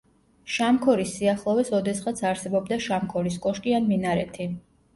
შამქორის სიახლოვეს ოდესღაც არსებობდა შამქორის კოშკი ან მინარეთი.